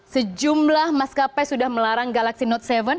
sejumlah maskapai sudah melarang galaxy note tujuh